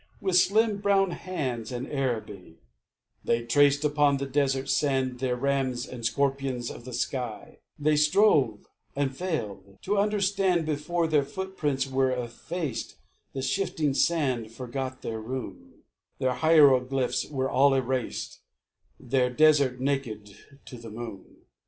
With slim brown hands, in Araby, They traced, upon the desert sand, Their Rams and Scorpions of the sky, And strove and failed to understand. Before their footprints were effaced The shifting sand forgot their rune; Their hieroglyphs were all erased, Their desert naked to the moon.